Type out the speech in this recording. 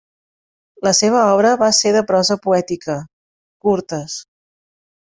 La seva obra va ser de prosa poètica, curtes.